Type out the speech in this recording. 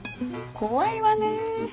怖いわね。